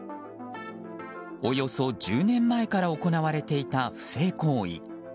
およそ１０年前から行われていた不正行為。